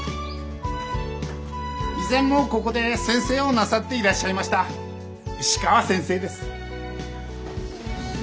以前もここで先生をなさっていらっしゃいました石川先生です。